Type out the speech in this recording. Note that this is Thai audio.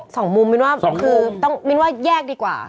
สองมุมต้องแยกดีกว่า